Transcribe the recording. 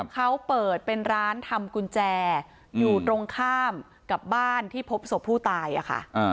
เขาเปิดเป็นร้านทำกุญแจอยู่ตรงข้ามกับบ้านที่พบศพผู้ตายค่ะ